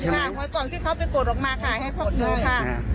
หวยกล่องที่เขาไปโกหกลงมาให้พวกนี้ค่ะ